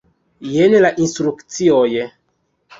Jen la instrukcioj.